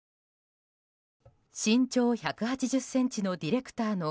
身長１８０ｃｍのディレクターの